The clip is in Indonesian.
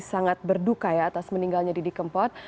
sangat berduka ya atas meninggalnya didi kempot